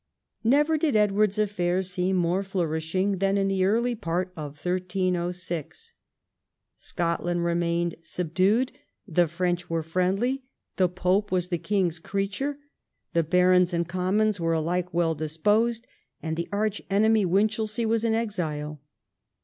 Never did Edward's affairs seem more flourishing than in the early part of 1306. Scotland remained subdued; XIII THE END OF THE REIGN 225 the French were friendly; the pope was the king's creature ; the barons and commons were alike well disposed; the arch enemy "Winchelsea was in exile.